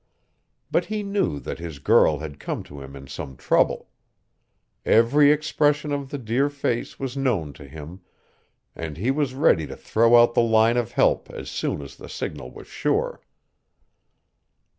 But he knew that his girl had come to him in some trouble. Every expression of the dear face was known to him, and he was ready to throw out the line of help as soon as the signal was sure.